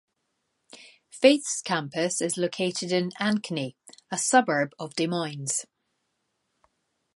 Faith's campus is located in Ankeny, a suburb of Des Moines.